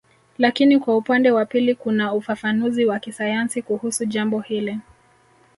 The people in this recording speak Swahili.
Lakini kwa upande wa pili kuna ufafanuzi wa kisayansi kuhusu jambo hili